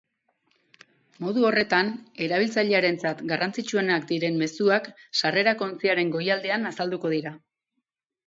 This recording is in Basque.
Modu horretan, erabiltzailearentzat garrantzitsuenak diren mezuak sarrerako ontziaren goialdean azalduko dira.